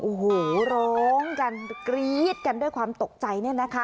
โอ้โฮโรงกันกรี๊ดกันด้วยความตกใจ